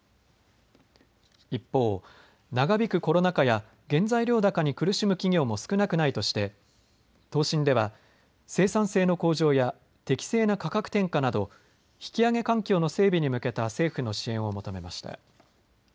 一方、長引くコロナ禍や原材料高に苦しむ企業も少なくないとして答申では生産性の向上や適正な価格転嫁など引上げ環境の整備に向けた政府の支援を求めました。